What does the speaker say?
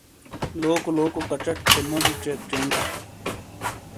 لوکو لوکو کچٹ تھے موجی بِیئک چینڈ تا